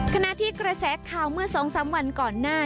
ขณะที่กระแสข่าวเมื่อ๒๓วันก่อนหน้า